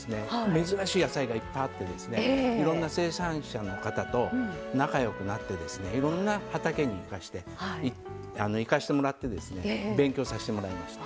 珍しい野菜がいっぱいあっていろんな生産者の方と仲よくなっていろんな畑に行かせてもらって勉強させてもらいました。